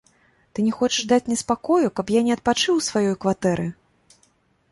Ты не хочаш даць мне спакою, каб я не адпачыў у сваёй кватэры?